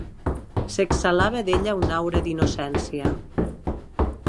S'exhalava d'ella una aura d'innocència.